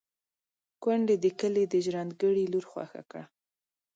کونډې د کلي د ژرنده ګړي لور خوښه کړه.